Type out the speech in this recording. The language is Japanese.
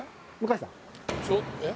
えっ？